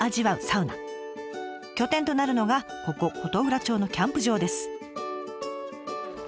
拠点となるのがここ琴浦町のキャンプ場です。